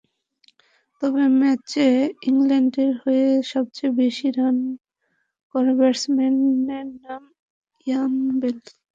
তবে ম্যাচে ইংল্যান্ডের হয়ে সবচেয়ে বেশি রান করা ব্যাটসম্যানের নাম ইয়ান বেল।